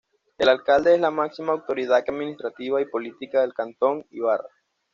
El Alcalde es la máxima autoridad administrativa y política del Cantón Ibarra.